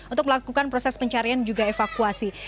untuk melakukan proses pencarian juga evakuasi